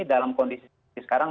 dalam kondisi sekarang